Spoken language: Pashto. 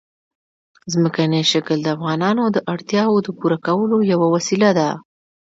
ځمکنی شکل د افغانانو د اړتیاوو د پوره کولو یوه وسیله ده.